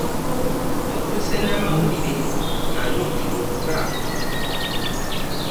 Ntuuse n'amawulire malungi gokka.